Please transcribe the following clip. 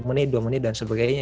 satu menit dua menit dan sebagainya